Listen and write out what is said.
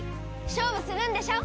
勝負するんでしょ？